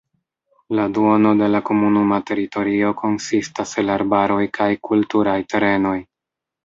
La duono de la komunuma teritorio konsistas el arbaroj kaj kulturaj terenoj.